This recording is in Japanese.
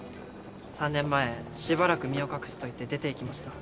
３年前しばらく身を隠すと言って出ていきました。